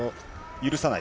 許さない。